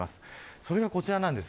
それがこちらです。